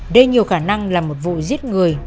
đây nhiều khả năng là một vụ giết người